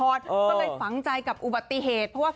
ก็เลยฝังใจกับอุบัติเหตุเพราะว่า